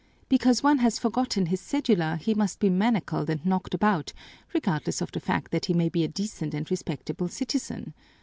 Because one has forgotten his cedula he must be manacled and knocked about, regardless of the fact that he may be a decent and respectable citizen.